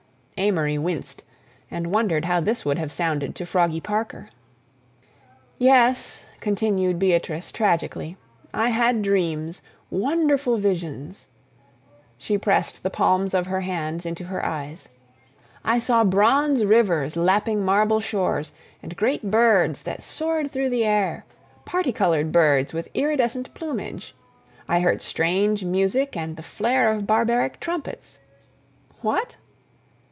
Amory winced, and wondered how this would have sounded to Froggy Parker. "Yes," continued Beatrice tragically, "I had dreams—wonderful visions." She pressed the palms of her hands into her eyes. "I saw bronze rivers lapping marble shores, and great birds that soared through the air, parti colored birds with iridescent plumage. I heard strange music and the flare of barbaric trumpets—what?"